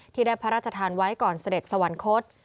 ที่ได้พระราชทานไว้ก่อนเสด็จสวรรคต